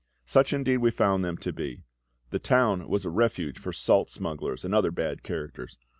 Such indeed we found them to be: the town was a refuge for salt smugglers and other bad characters.